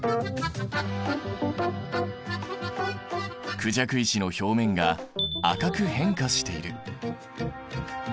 クジャク石の表面が赤く変化している。